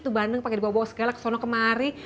tuh bandeng pake dibawa bawa segala ke sana kemari